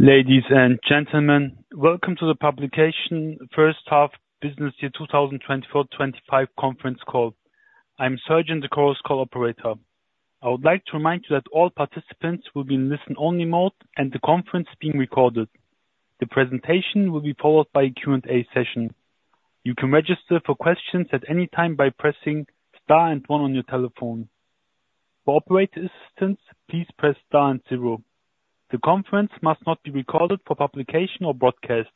Ladies and gentlemen, welcome to the Voestalpine first half business year 2024-2025 conference call. I'm Sergeant, the call's co-operator. I would like to remind you that all participants will be in listen-only mode and the conference is being recorded. The presentation will be followed by a Q&A session. You can register for questions at any time by pressing star and one on your telephone. For operator assistance, please press star and zero. The conference must not be recorded for publication or broadcast.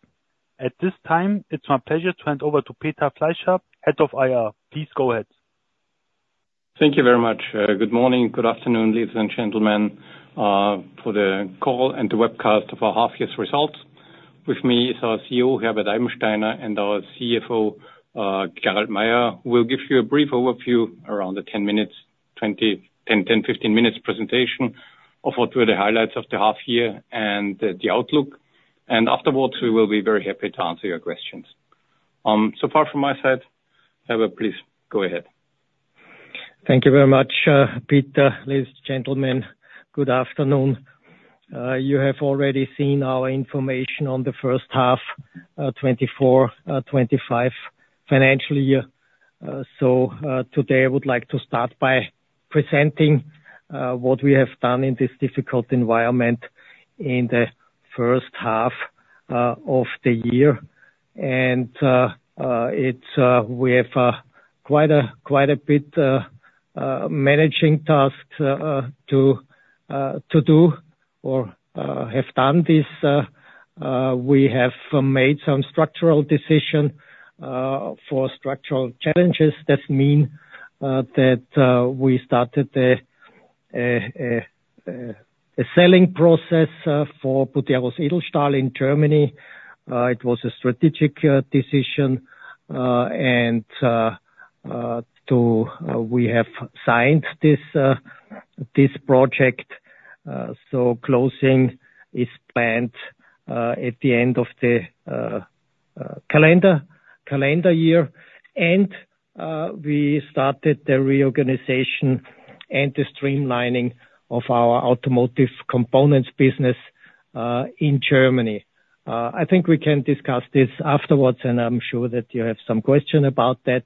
At this time, it's my pleasure to hand over to Peter Fleischer, Head of IR. Please go ahead. Thank you very much. Good morning, good afternoon, ladies and gentlemen, For the call and the webcast of our half-year results. With me is our CEO, Herbert Eibensteiner, and our CFO, Gerald Mayer, who will give you a brief overview around the 10, 15 minutes presentation of what were the highlights of the half-year and the outlook, and afterwards, we will be very happy to answer your questions, so far from my side, Herbert, please go ahead. Thank you very much, Peter. Ladies and gentlemen, good afternoon. You have already seen our information on the first half, 2024-2025 financial year. So today, I would like to start by presenting what we have done in this difficult environment in the first half of the year. And we have quite a bit of managing tasks to do or have done this. We have made some structural decisions for structural challenges. That means that we started a selling process for Buderus Edelstahl in Germany. It was a strategic decision. And we have signed this project. So closing is planned at the end of the calendar year. And we started the reorganization and the streamlining of our Automotive Components business in Germany. I think we can discuss this afterwards, and I'm sure that you have some questions about that.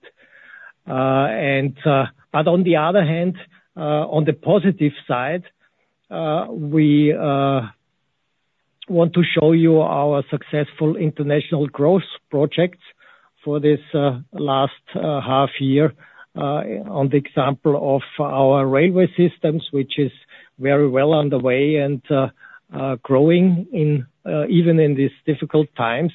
But on the other hand, on the positive side, we want to show you our successful international growth projects for this last half year on the example of our Railway Systems, which is very well underway and growing even in these difficult times.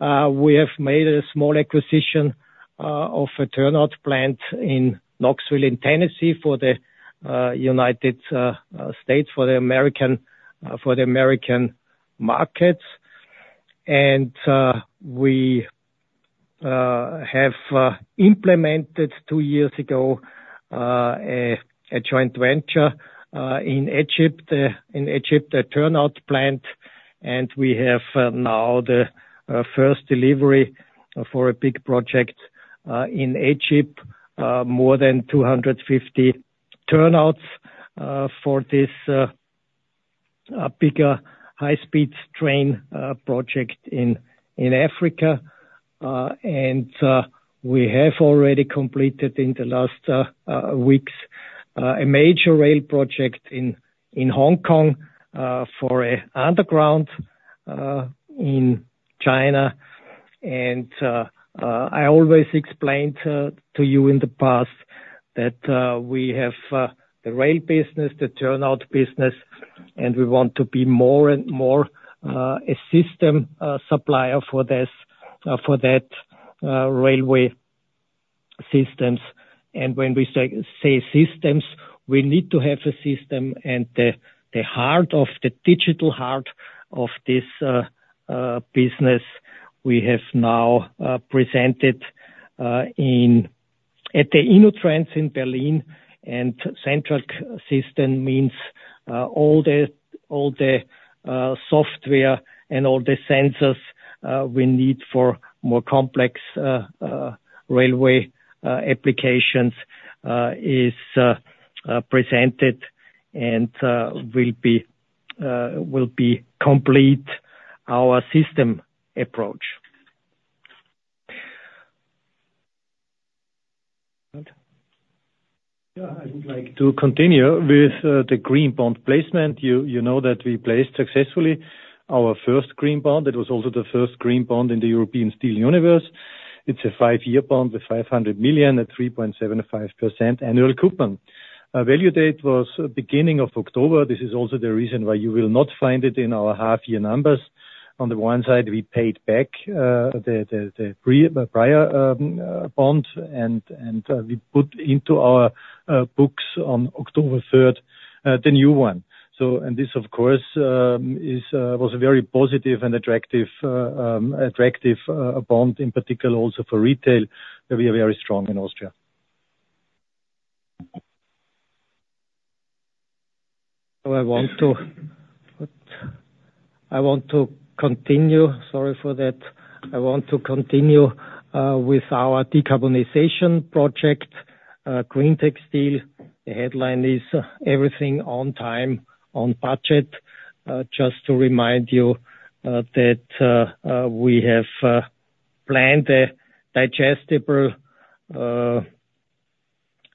We have made a small acquisition of a turnout plant in Knoxville, in Tennessee, for the United States, for the American markets. And we have implemented two years ago a joint venture in Egypt, a turnout plant. And we have now the first delivery for a big project in Egypt, more than 250 turnouts for this bigger high-speed train project in Africa. And we have already completed in the last weeks a major rail project in Hong Kong for an underground in China. And I always explained to you in the past that we have the rail business, the turnout business, and we want to be more and more a system supplier for that Railway Systems. And when we say systems, we need to have a system. And the heart of the digital heart of this business, we have now presented at the InnoTrans in Berlin. And central system means all the software and all the sensors we need for more complex railway applications is presented and will be complete our system approach. I would like to continue with the green bond placement. You know that we placed successfully our first green bond. It was also the first green bond in the European steel universe. It's a five-year bond with 500 million at 3.75% annual coupon. Value date was beginning of October. This is also the reason why you will not find it in our half-year numbers. On the one side, we paid back the prior bond, and we put into our books on October 3rd the new one, and this, of course, was a very positive and attractive bond, in particular also for retail. We are very strong in Austria. I want to continue, sorry for that. I want to continue with our decarbonization project, greentec steel. The headline is "Everything on Time, on Budget." Just to remind you that we have planned a digestible,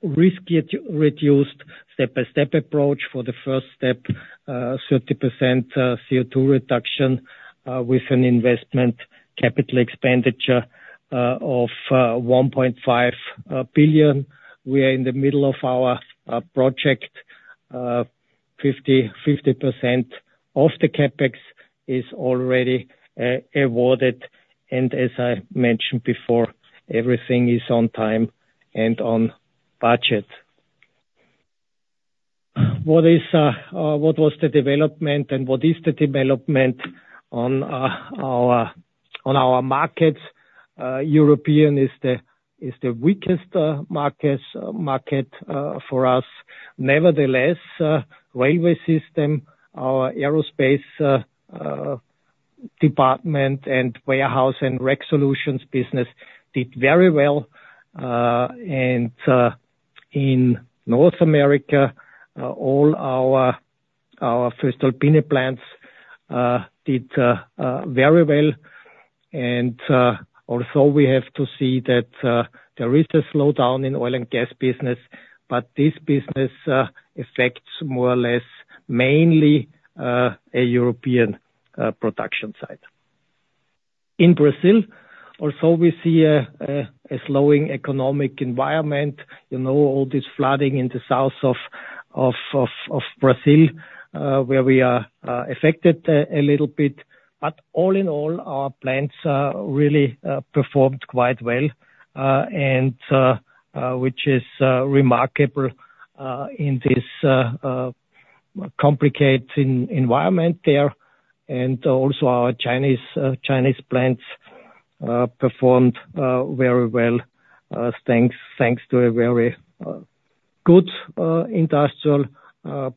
risk-reduced step-by-step approach for the first step, 30% CO2 reduction with an investment capital expenditure of 1.5 billion. We are in the middle of our project. 50% of the CapEx is already awarded. And as I mentioned before, everything is on time and on budget. What was the development and what is the development on our markets? Europe is the weakest market for us. Nevertheless, Railway Systems, our Aerospace Department, and Warehouse and Rack Solutions business did very well. And in North America, all our Voestalpine plants did very well. Although we have to see that there is a slowdown in oil and gas business, but this business affects more or less mainly a European production site. In Brazil, although we see a slowing economic environment, you know all this flooding in the south of Brazil where we are affected a little bit. But all in all, our plants really performed quite well, which is remarkable in this complicated environment there. And also our Chinese plants performed very well thanks to a very good industrial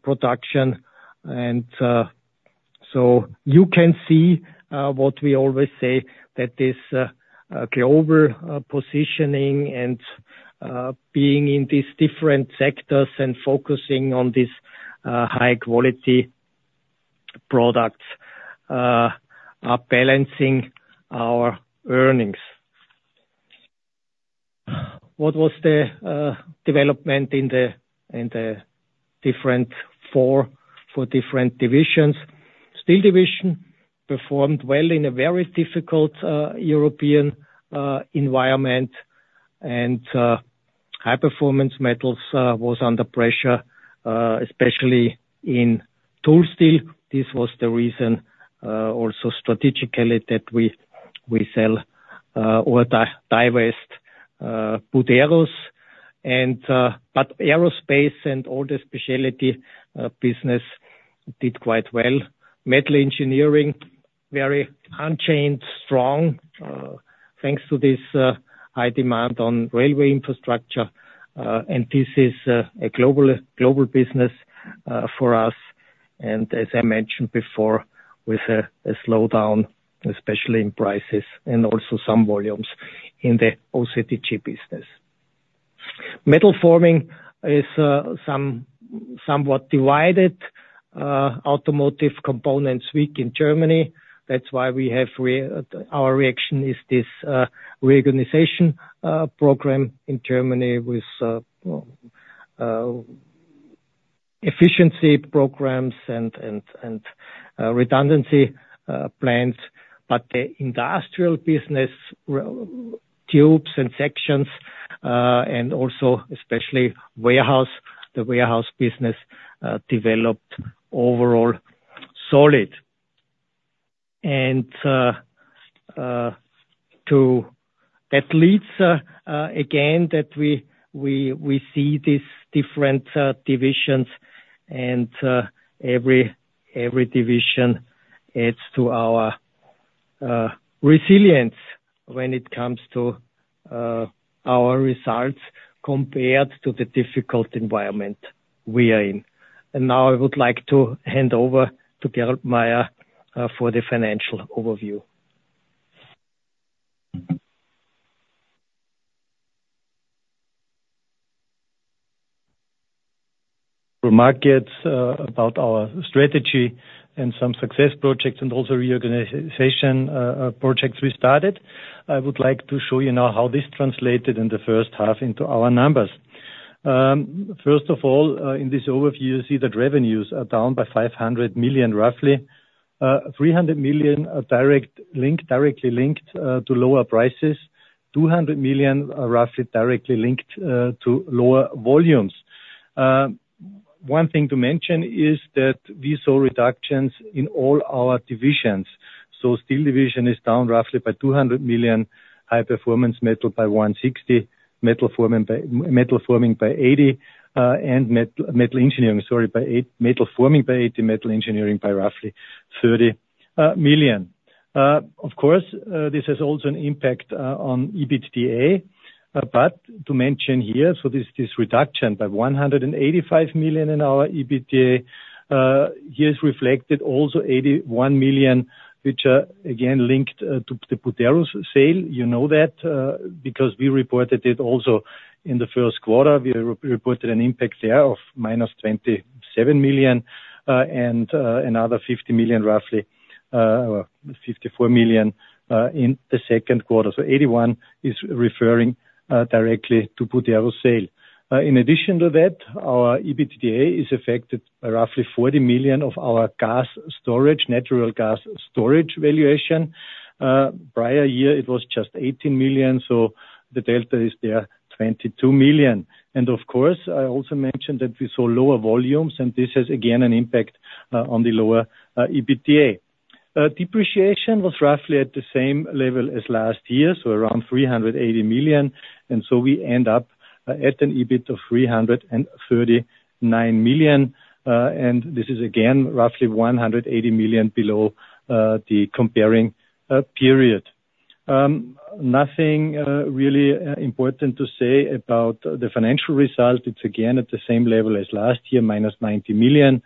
production. And so you can see what we always say, that this global positioning and being in these different sectors and focusing on these high-quality products are balancing our earnings. What was the development in the four different divisions? Steel Division performed well in a very difficult European environment. And High Performance Metals was under pressure, especially in tool steel. This was the reason also strategically that we sell or divest Buderus, but Aerospace and all the specialty business did quite well. Metal Engineering, very unchanged, strong thanks to this high demand on railway infrastructure, and this is a global business for us, and as I mentioned before, with a slowdown, especially in prices and also some volumes in the OCTG business. Metal Forming is somewhat divided. Automotive Components weak in Germany. That's why we have our reaction is this reorganization program in Germany with efficiency programs and redundancy plans, but the industrial business, Tubes and Sections, and also especially warehouse, the warehouse business developed overall solid, and that leads again that we see these different divisions, and every division adds to our resilience when it comes to our results compared to the difficult environment we are in. Now I would like to hand over to Gerald Mayer for the financial overview. Markets, about our strategy and some success projects and also reorganization projects we started. I would like to show you now how this translated in the first half into our numbers. First of all, in this overview, you see that revenues are down by 500 million, roughly. 300 million directly linked to lower prices. 200 million roughly directly linked to lower volumes. One thing to mention is that we saw reductions in all our divisions, so Steel Division is down roughly by 200 million, High Performance Metals by 160 million, Metal Forming by 80 million, and Metal Engineering, sorry, Metal Forming by 80 million, Metal Engineering by roughly 30 million. Of course, this has also an impact on EBITDA, but to mention here, so this reduction by 185 million in our EBITDA here is reflected also 81 million, which are again linked to the Buderus sale. You know that because we reported it also in the first quarter. We reported an impact there of -27 million and another 50 million, roughly 54 million in the second quarter. So 81 million is referring directly to Buderus sale. In addition to that, our EBITDA is affected by roughly 40 million of our gas storage, natural gas storage valuation. Prior year, it was just 18 million. So the delta is there 22 million. And of course, I also mentioned that we saw lower volumes, and this has again an impact on the lower EBITDA. Depreciation was roughly at the same level as last year, so around 380 million. And so we end up at an EBIT of 339 million. And this is again roughly 180 million below the comparing period. Nothing really important to say about the financial result. It's again at the same level as last year, minus 90 million.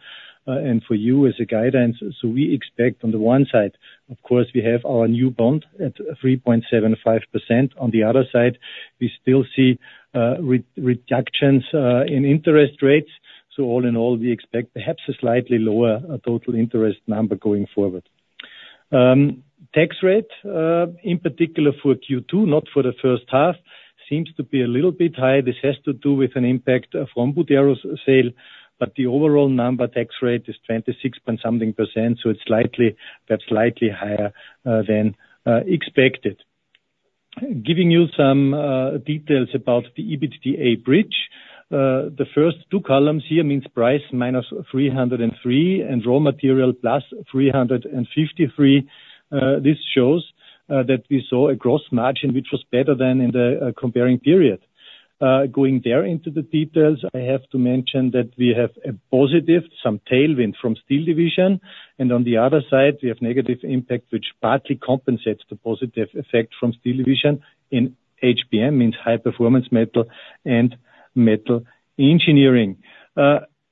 For you as a guidance, we expect on the one side, of course, we have our new bond at 3.75%. On the other side, we still see reductions in interest rates. All in all, we expect perhaps a slightly lower total interest number going forward. Tax rate, in particular for Q2, not for the first half, seems to be a little bit high. This has to do with an impact from Buderus sale. The overall number tax rate is 26 point something percent. It's slightly, perhaps slightly higher than expected. Giving you some details about the EBITDA bridge. The first two columns here means price -303 million and raw material +353 million. This shows that we saw a gross margin which was better than in the comparing period. Going there into the details, I have to mention that we have a positive, some tailwind from Steel Division. On the other side, we have negative impact, which partly compensates the positive effect from Steel Division in HPM, means High Performance Metal and Metal Engineering.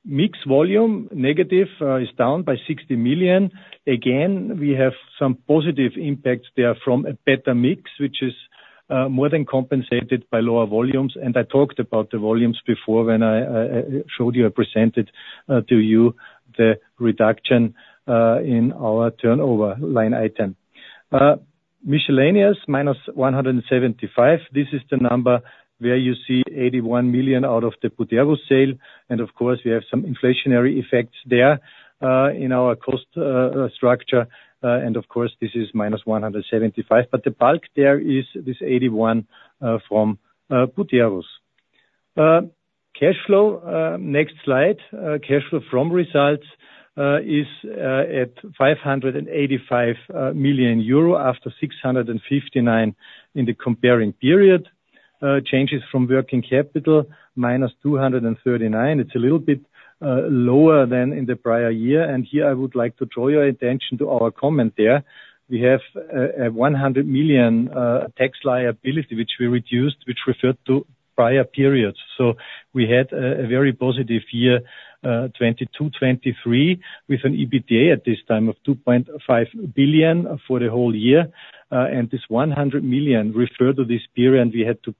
Mix: volume negative is down by 60 million. Again, we have some positive impact there from a better mix, which is more than compensated by lower volumes. I talked about the volumes before when I showed you or presented to you the reduction in our turnover line item. Metal Forming is -175 million. This is the number where you see 81 million out of the Buderus sale. Of course, we have some inflationary effects there in our cost structure. Of course, this is -175 million. But the bulk there is this 81 from Buderus. Cash flow, next slide. Cash flow from results is at 585 million euro after 659 million in the comparable period. Changes from working capital minus 239 million. It's a little bit lower than in the prior year. And here, I would like to draw your attention to our comment there. We have a 100 million tax liability, which we reduced, which referred to prior periods. So we had a very positive year, 2022-2023, with an EBITDA at this time of 2.5 billion for the whole year. And this 100 million referred to this period. We had to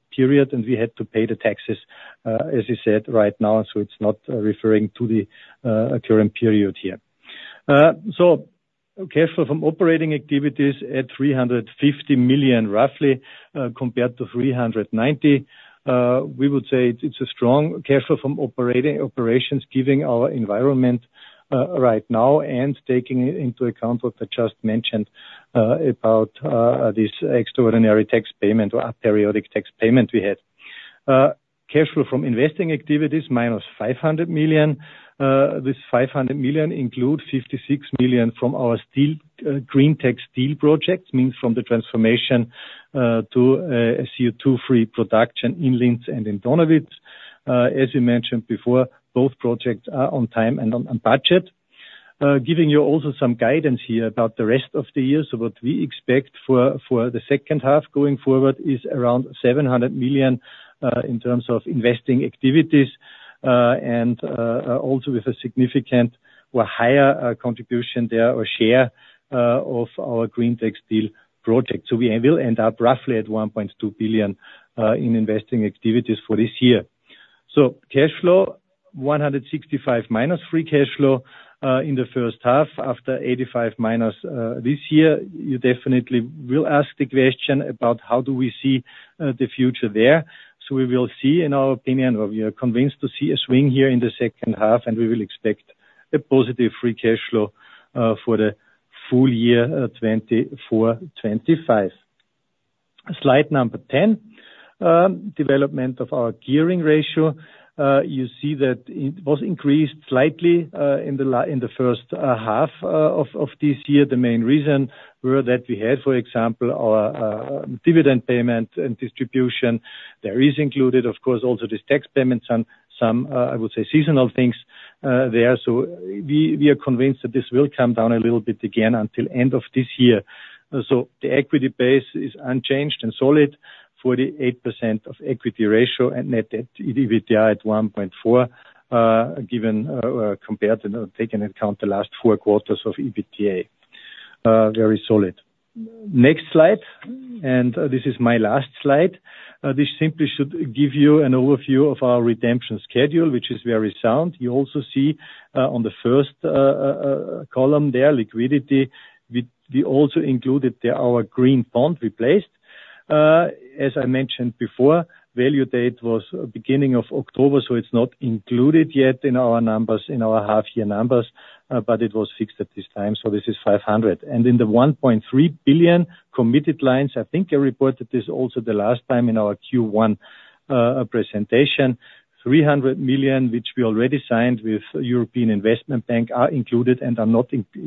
pay the taxes, as I said, right now. So it's not referring to the current period here. So cash flow from operating activities at 350 million, roughly compared to 390 million. We would say it's a strong cash flow from operations given our environment right now and taking into account what I just mentioned about this extraordinary tax payment or periodic tax payment we had. Cash flow from investing activities minus 500 million. This 500 million includes 56 million from our Steel greentec steel projects, means from the transformation to a CO2-free production in Linz and in Donawitz. As we mentioned before, both projects are on time and on budget. Giving you also some guidance here about the rest of the year. So what we expect for the second half going forward is around 700 million in terms of investing activities and also with a significant or higher contribution there or share of our greentec steel project. So we will end up roughly at 1.2 billion in investing activities for this year. Cash flow: -165 million free cash flow in the first half, after -85 million this year. You definitely will ask the question about how we see the future there. We will see, in our opinion, or we are convinced to see a swing here in the second half, and we will expect a positive free cash flow for the full year 2024-2025. Slide number 10, development of our gearing ratio. You see that it was increased slightly in the first half of this year. The main reason was that we had, for example, our dividend payment and distribution. There is included, of course, also these tax payments and some, I would say, seasonal things there. We are convinced that this will come down a little bit again until the end of this year. So the equity base is unchanged and solid, 48% equity ratio and net debt to EBITDA at 1.4 given compared to taking into account the last four quarters of EBITDA. Very solid. Next slide. And this is my last slide. This simply should give you an overview of our redemption schedule, which is very sound. You also see on the first column there, liquidity. We also included there our green bond we placed. As I mentioned before, value date was beginning of October, so it's not included yet in our numbers, in our half-year numbers, but it was fixed at this time. So this is 500 million. And in the 1.3 billion committed lines, I think I reported this also the last time in our Q1 presentation, 300 million, which we already signed with European Investment Bank, are included and are not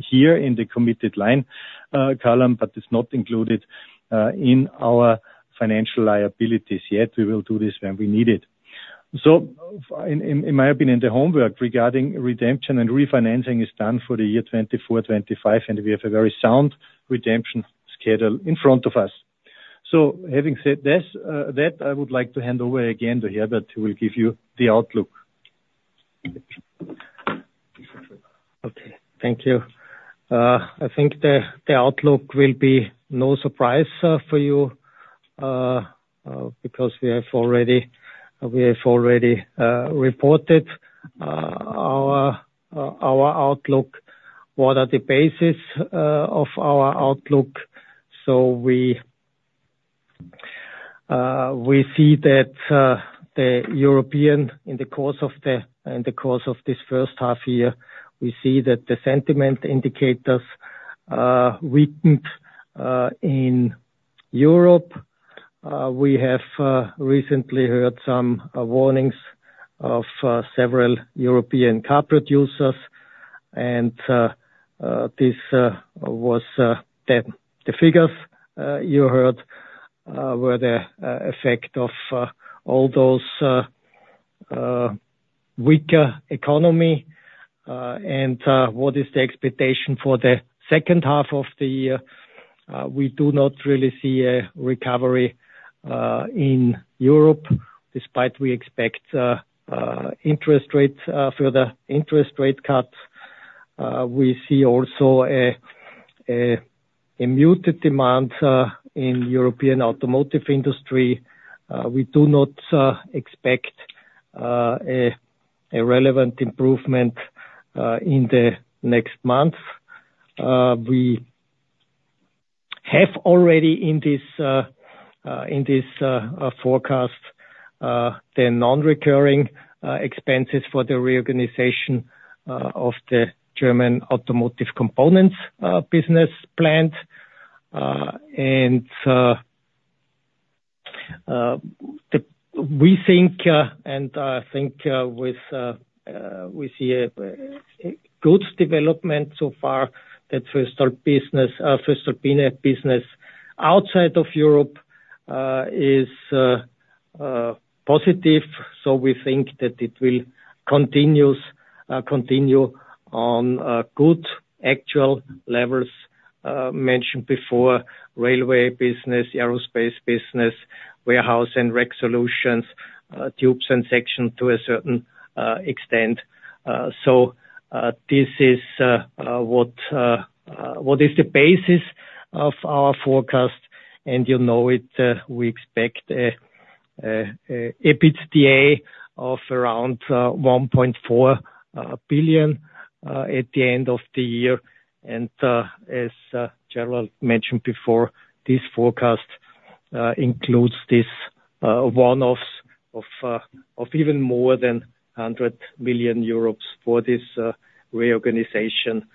here in the committed line column, but it's not included in our financial liabilities yet. We will do this when we need it. So in my opinion, the homework regarding redemption and refinancing is done for the year 2024-2025, and we have a very sound redemption schedule in front of us. So having said that, I would like to hand over again to Herbert, who will give you the outlook. Okay. Thank you. I think the outlook will be no surprise for you because we have already reported our outlook, what are the basis of our outlook. So we see that the European in the course of this first half year, we see that the sentiment indicators weakened in Europe. We have recently heard some warnings of several European car producers. And this was the figures you heard were the effect of all those weaker economy. And what is the expectation for the second half of the year? We do not really see a recovery in Europe, despite we expect further interest rate cuts. We see also a muted demand in the European automotive industry. We do not expect a relevant improvement in the next month. We have already in this forecast the non-recurring expenses for the reorganization of the German Automotive Components business planned. We think, and I think we see a good development so far that first-time business outside of Europe is positive. So we think that it will continue on good actual levels mentioned before: Railway business, Aerospace business, Warehouse and Rack Solutions, Tubes and Sections to a certain extent. So this is what is the basis of our forecast. And you know it, we expect an EBITDA of around 1.4 billion at the end of the year. And as Gerald mentioned before, this forecast includes this one-off of even more than 100 million euros for this reorganization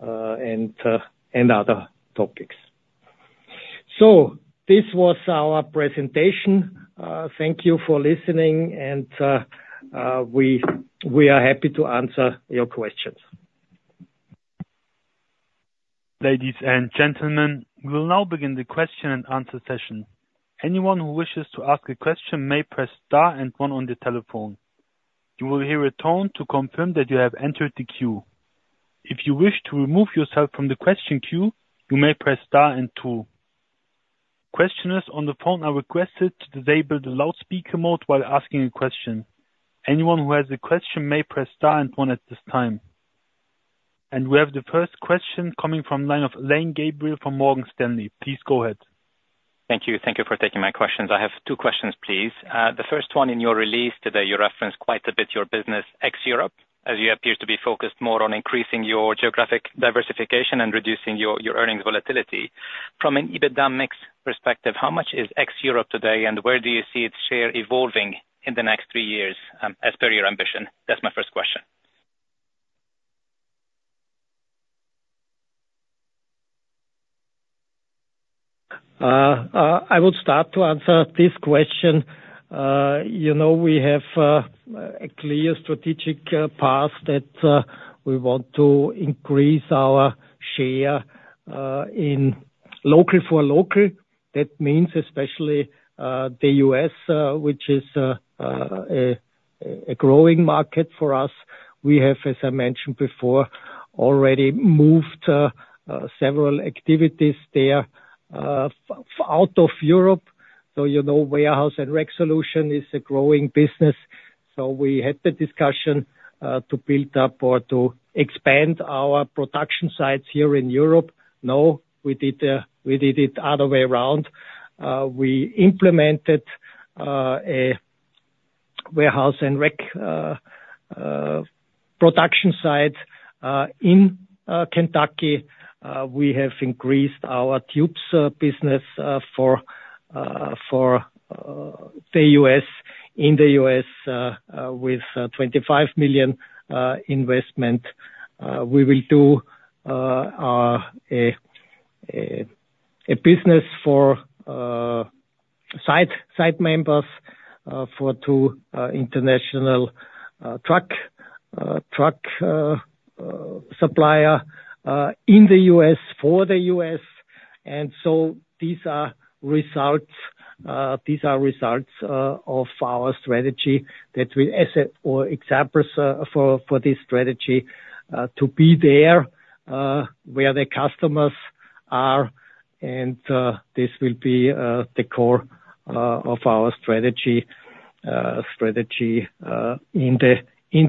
and other topics. So this was our presentation. Thank you for listening, and we are happy to answer your questions. Ladies and gentlemen, we will now begin the question and answer session. Anyone who wishes to ask a question may press star and one on the telephone. You will hear a tone to confirm that you have entered the queue. If you wish to remove yourself from the question queue, you may press star and two. Questioners on the phone are requested to disable the loudspeaker mode while asking a question. Anyone who has a question may press star and one at this time. And we have the first question coming from line of Alain Gabriel from Morgan Stanley. Please go ahead. Thank you. Thank you for taking my questions. I have two questions, please. The first one, in your release today, you referenced quite a bit your business, ex-Europe, as you appear to be focused more on increasing your geographic diversification and reducing your earnings volatility. From an EBITDA mix perspective, how much is ex-Europe today, and where do you see its share evolving in the next three years as per your ambition? That's my first question. I will start to answer this question. You know we have a clear strategic path that we want to increase our share in local for local. That means especially the U.S., which is a growing market for us. We have, as I mentioned before, already moved several activities there out of Europe. So you know warehouse and rack solution is a growing business. So we had the discussion to build up or to expand our production sites here in Europe. No, we did it the other way around. We implemented a warehouse and rack production site in Kentucky. We have increased our tubes business for the U.S. in the U.S. with 25 million investment. We will do a business for system members for two international truck suppliers in the U.S. for the U.S. And so these are results of our strategy that we assess as examples for this strategy to be there where the customers are. And this will be the core of our strategy in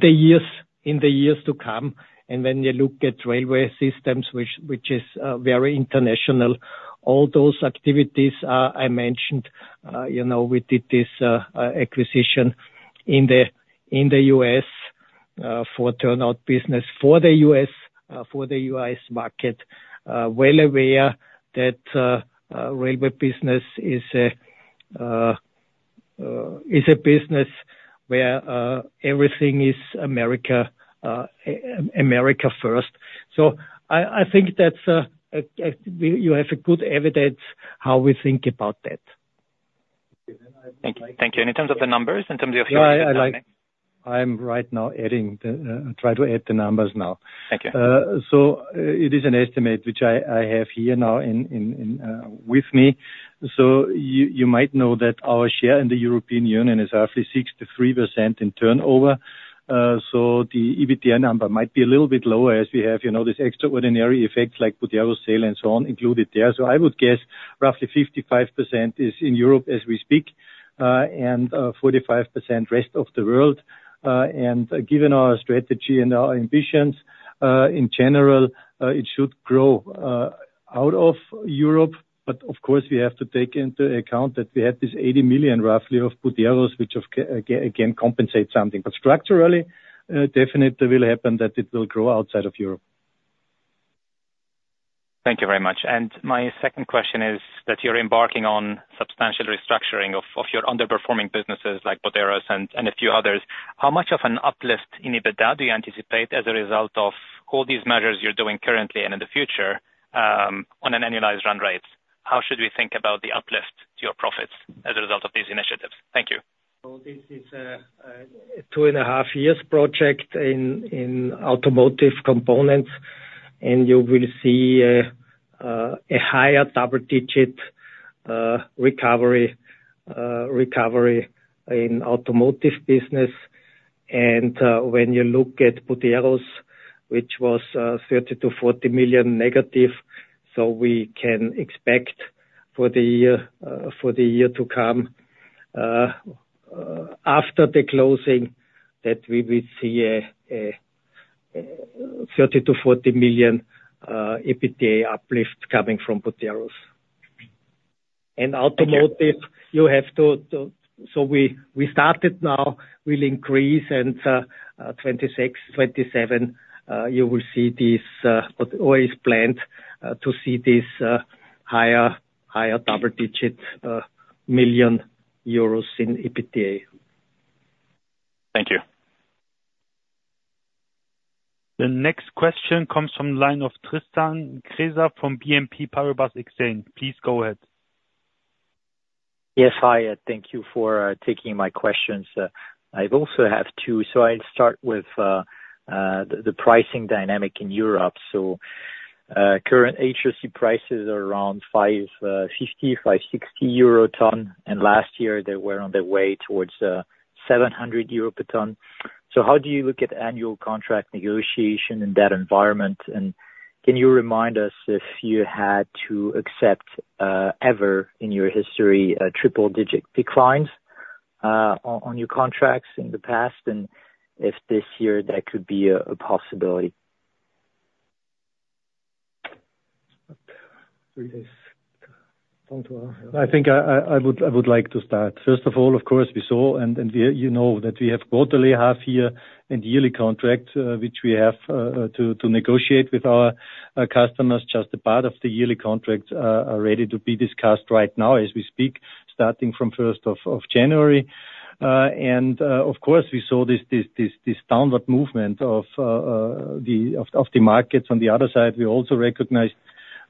the years to come. And when you look at Railway Systems, which is very international, all those activities I mentioned, we did this acquisition in the U.S. for turnout business for the U.S. market, well aware that railway business is a business where everything is America first. So I think that you have good evidence how we think about that. Thank you. And in terms of the numbers, in terms of your estimate? I'm right now adding the numbers now. Thank you. It is an estimate which I have here now with me. You might know that our share in the European Union is roughly 63% in turnover. The EBITDA number might be a little bit lower as we have this extraordinary effect like Buderus sale and so on included there. I would guess roughly 55% is in Europe as we speak and 45% rest of the world. Given our strategy and our ambitions in general, it should grow out of Europe. Of course, we have to take into account that we had this 80 million roughly of Buderus, which again compensates something. Structurally, definitely will happen that it will grow outside of Europe. Thank you very much. And my second question is that you're embarking on substantial restructuring of your underperforming businesses like Buderus and a few others. How much of an uplift in EBITDA do you anticipate as a result of all these measures you're doing currently and in the future on an annualized run rate? How should we think about the uplift to your profits as a result of these initiatives? Thank you. This is a two and a half years project in Automotive Components, and you will see a higher double-digit recovery in automotive business. And when you look at Buderus, which was 30 million to -40 million, so we can expect for the year to come after the closing that we will see a 30 million-40 million EBITDA uplift coming from Buderus. And automotive, you have to so we started now, we'll increase and 2026, 2027, you will see this, or is planned to see this higher double-digit million euros in EBITDA. Thank you. The next question comes from the line of Tristan Gresser from BNP Paribas Exane. Please go ahead. Yes, hi there. Thank you for taking my questions. I also have two. So I'll start with the pricing dynamic in Europe. So current HRC prices are around 550 million-560 million euro a ton, and last year they were on their way towards 700 million euro per ton. So how do you look at annual contract negotiation in that environment? And can you remind us if you had to accept ever in your history triple-digit declines on your contracts in the past, and if this year that could be a possibility? I think I would like to start. First of all, of course, we saw and you know that we have quarterly half-year and yearly contract, which we have to negotiate with our customers. Just a part of the yearly contract ready to be discussed right now as we speak, starting from 1st of January, and of course, we saw this downward movement of the markets. On the other side, we also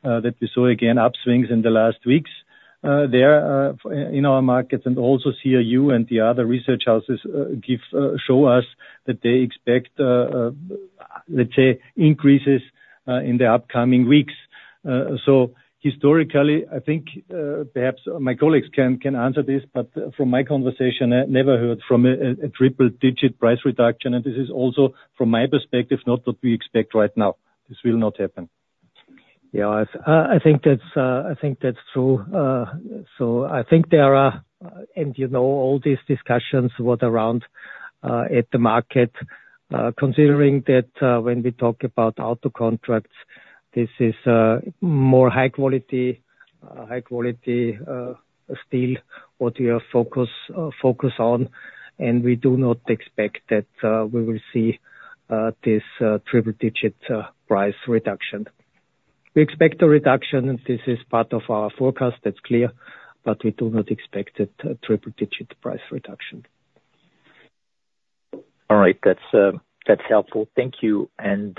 recognized that we saw again upswings in the last weeks there in our markets, and also CRU and the other research houses show us that they expect, let's say, increases in the upcoming weeks. So historically, I think perhaps my colleagues can answer this, but from my conversation, I never heard from a triple-digit price reduction, and this is also from my perspective, not what we expect right now. This will not happen. Yeah, I think that's true. So I think there are, and you know all these discussions what's around at the market, considering that when we talk about auto contracts, this is more high-quality steel that you focus on. And we do not expect that we will see this triple-digit price reduction. We expect a reduction, and this is part of our forecast. That's clear, but we do not expect a triple-digit price reduction. All right. That's helpful. Thank you. And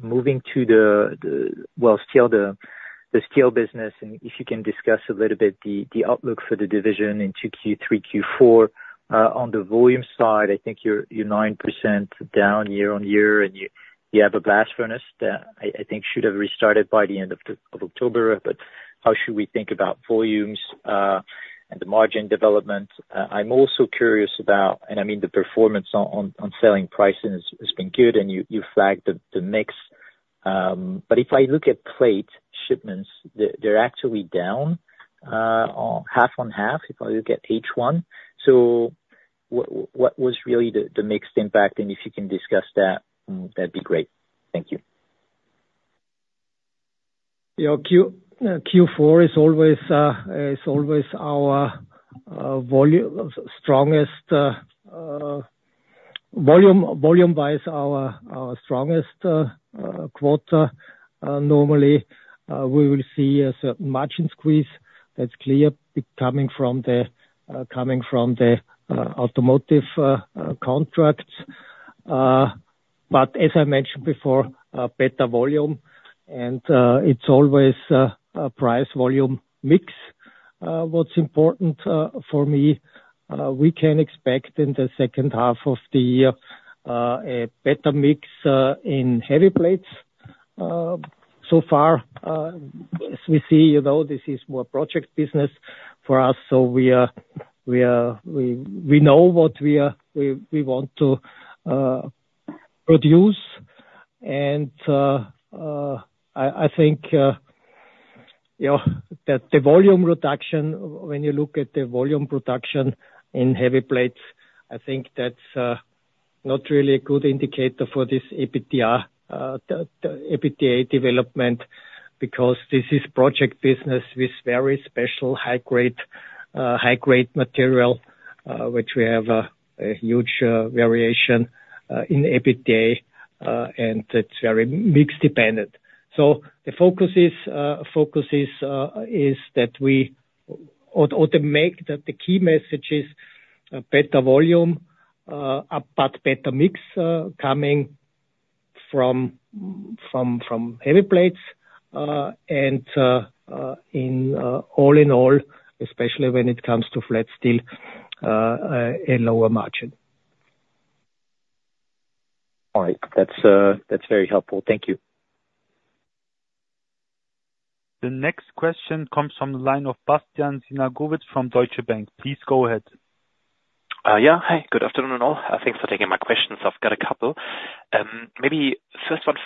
moving to the, well, still the steel business, and if you can discuss a little bit the outlook for the division in Q3, Q4. On the volume side, I think you're 9% down year on year, and you have a blast furnace that I think should have restarted by the end of October. But how should we think about volumes and the margin development? I'm also curious about, and I mean the performance on selling prices has been good, and you flagged the mix. But if I look at plate shipments, they're actually down half on half if I look at H1. So what was really the mixed impact? And if you can discuss that, that'd be great. Thank you. Yeah, Q4 is always our strongest volume-wise, our strongest quarter. Normally, we will see a certain margin squeeze that's clear coming from the automotive contracts. But as I mentioned before, better volume, and it's always a price-volume mix. What's important for me, we can expect in the second half of the year a better mix in heavy plates. So far, as we see, this is more project business for us. So we know what we want to produce. And I think, yeah, that the volume reduction, when you look at the volume production in heavy plates, I think that's not really a good indicator for this EBITDA development because this is project business with very special high-grade material, which we have a huge variation in EBITDA, and it's very mixed dependent. So the focus is that we automate, that the key message is better volume, but better mix coming from heavy plates, and all in all, especially when it comes to flat steel, a lower margin. All right. That's very helpful. Thank you. The next question comes from the line of Bastian Synagowitz from Deutsche Bank. Please go ahead. Yeah. Hi. Good afternoon and all. Thanks for taking my questions. I've got a couple. Maybe first one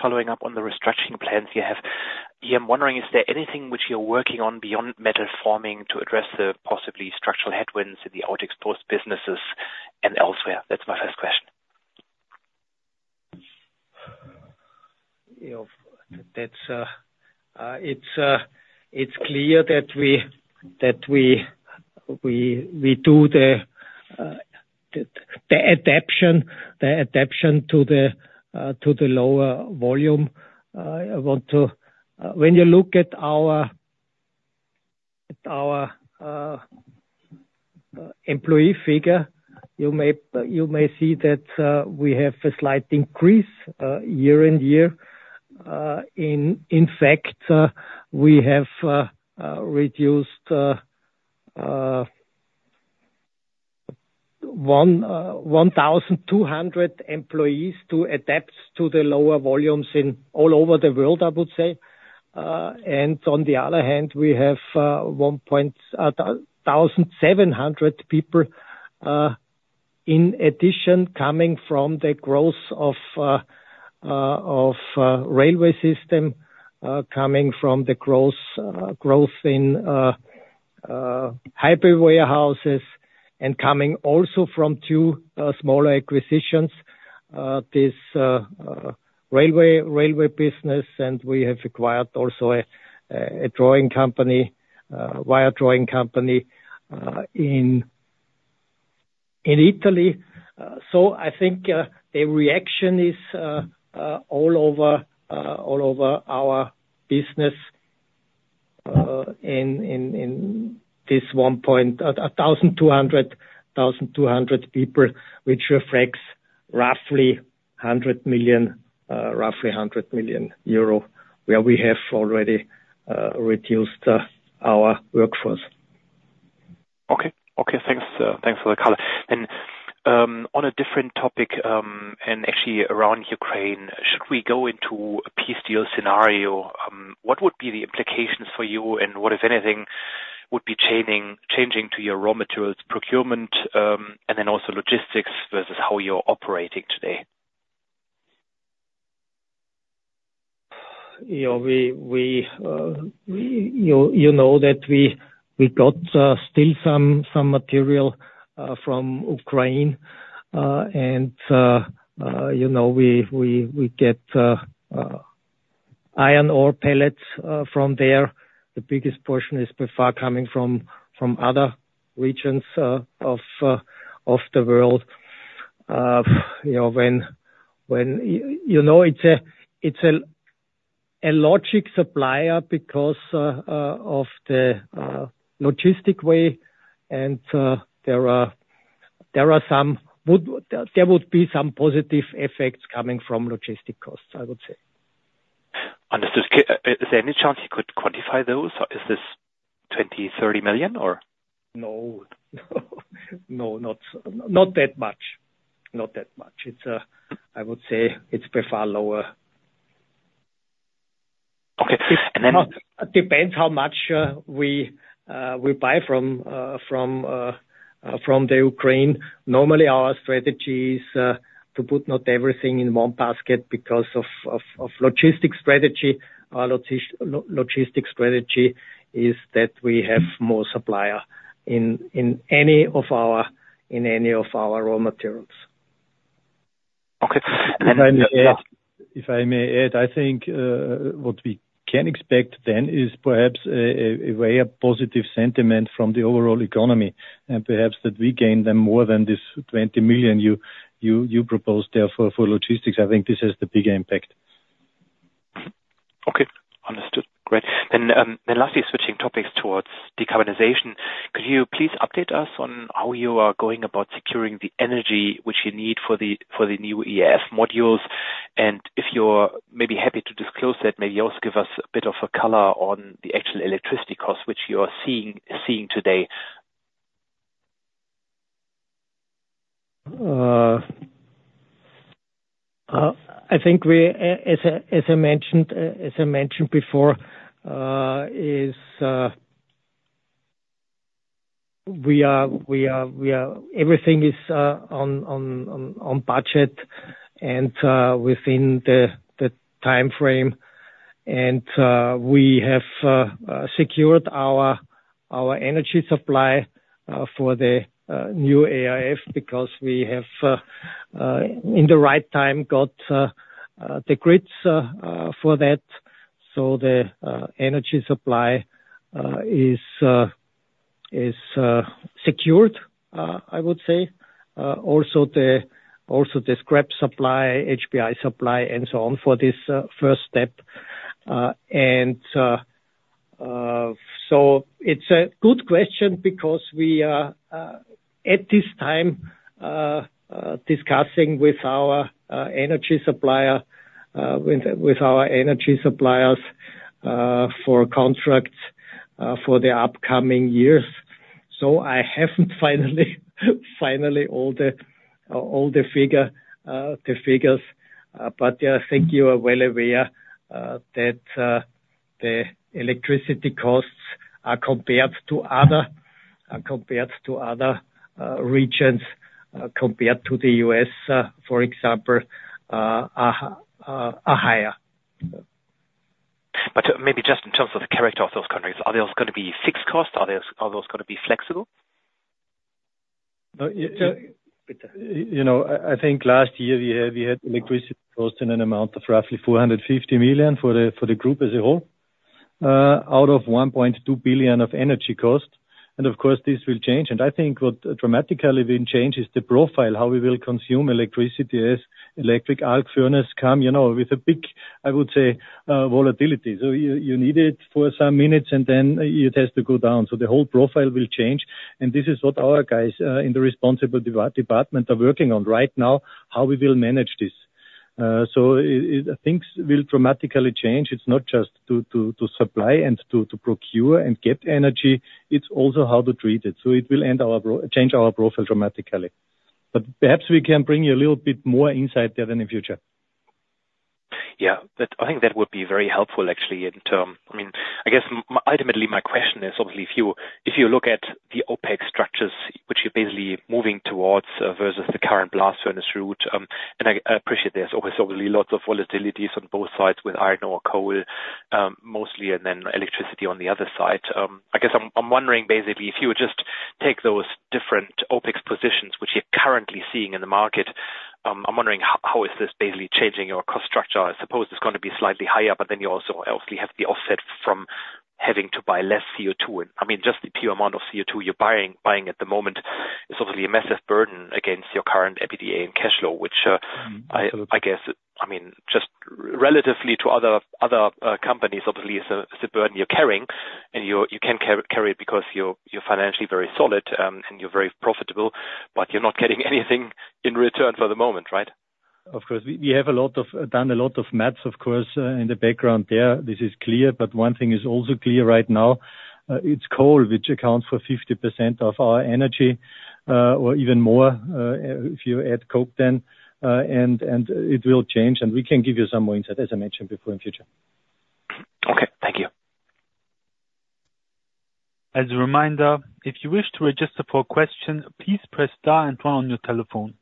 following up on the restructuring plans you have, I'm wondering, is there anything which you're working on beyond Metal Forming to address the possibly structural headwinds in the auto-exposed businesses and elsewhere? That's my first question. That’s clear that we do the adaption to the lower volume. When you look at our employee figure, you may see that we have a slight increase year-in-year. In fact, we have reduced 1,200 employees to adapt to the lower volumes all over the world, I would say. And on the other hand, we have 1,700 people in addition coming from the growth of railway system, coming from the growth in high-bay warehouses, and coming also from two smaller acquisitions, this railway business. And we have acquired also a wire drawing company in Italy. So I think the reaction is all over our business in this one point, 1,200 people, which reflects roughly 100 million, roughly 100 million euro, where we have already reduced our workforce. Okay. Thanks Herbert. On a different topic, actually around Ukraine, should we go into a peace deal scenario? What would be the implications for you, and what, if anything, would be changing to your raw materials procurement, and then also logistics versus how you're operating today? You know that we got still some material from Ukraine, and we get iron ore pellets from there. The biggest portion is by far coming from other regions of the world. You know it's a logical supplier because of the logistical way, and there would be some positive effects coming from logistic costs, I would say. Is there any chance you could quantify those? Is this 20 million-30 million, or? No. No, not that much. Not that much. I would say it's by far lower. Okay. And then. It depends how much we buy from Ukraine. Normally, our strategy is to put not everything in one basket because of logistics strategy. Our logistics strategy is that we have more suppliers in any of our raw materials. Okay. And then. If I may add, I think what we can expect then is perhaps a way of positive sentiment from the overall economy, and perhaps that we gain them more than this 20 million you proposed there for logistics. I think this has the bigger impact. Okay. Understood. Great. Then lastly, switching topics towards decarbonization, could you please update us on how you are going about securing the energy which you need for the new EAF modules? And if you're maybe happy to disclose that, maybe also give us a bit of a color on the actual electricity costs which you are seeing today. I think, as I mentioned before, everything is on budget and within the time frame. We have secured our energy supply for the new EAF because we have, in the right time, got the grids for that. The energy supply is secured, I would say. Also the scrap supply, HBI supply, and so on for this first step. It's a good question because we are, at this time, discussing with our energy supplier, with our energy suppliers for contracts for the upcoming years. I haven't finally all the figures, but I think you are well aware that the electricity costs are compared to other regions, compared to the US, for example, are higher. But maybe just in terms of the character of those countries, are those going to be fixed costs? Are those going to be flexible? I think last year we had electricity costs in an amount of roughly 450 million for the group as a whole, out of 1.2 billion of energy costs. And of course, this will change. And I think what dramatically will change is the profile, how we will consume electricity as electric arc furnace come with a big, I would say, volatility. So you need it for some minutes, and then it has to go down. So the whole profile will change. And this is what our guys in the responsible department are working on right now, how we will manage this. So things will dramatically change. It's not just to supply and to procure and get energy. It's also how to treat it. So it will change our profile dramatically. But perhaps we can bring you a little bit more insight there in the future. Yeah. I think that would be very helpful, actually, in terms. I mean, I guess ultimately, my question is, obviously, if you look at the EAF structures, which you're basically moving towards versus the current blast furnace route, and I appreciate there's always obviously lots of volatilities on both sides with iron ore coal mostly, and then electricity on the other side. I guess I'm wondering, basically, if you would just take those different EAF's positions which you're currently seeing in the market, I'm wondering how is this basically changing your cost structure. I suppose it's going to be slightly higher, but then you also obviously have the offset from having to buy less CO2. I mean, just the pure amount of CO2 you're buying at the moment is obviously a massive burden against your current EBITDA and cash flow, which I guess, I mean, just relatively to other companies, obviously, is a burden you're carrying. You can carry it because you're financially very solid, and you're very profitable, but you're not getting anything in return for the moment, right? Of course. We have done a lot of math, of course, in the background there. This is clear. But one thing is also clear right now. It's coal, which accounts for 50% of our energy or even more if you add coke then. And it will change. And we can give you some more insight, as I mentioned before, in future. Okay. Thank you. As a reminder, if you wish to register for a question, please press star and turn on your telephone.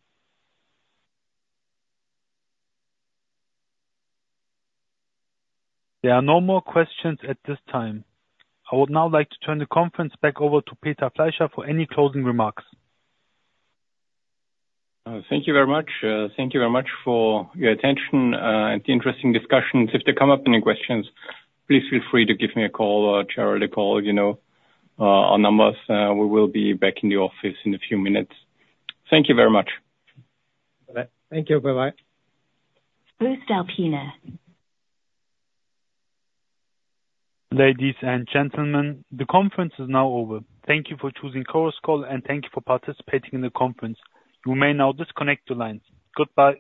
There are no more questions at this time. I would now like to turn the conference back over to Peter Fleischer for any closing remarks. Thank you very much. Thank you very much for your attention and interesting discussions. If there come up any questions, please feel free to give me a call or Gerald a call. Our numbers. We will be back in the office in a few minutes. Thank you very much. Thank you. Bye-bye. Ladies and gentlemen, the conference is now over. Thank you for choosing Chorus Call, and thank you for participating in the conference. You may now disconnect your lines. Goodbye.